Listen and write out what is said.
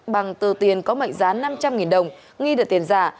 bằng tờ tiền có mệnh giá năm trăm linh đồng nghi được tiền giả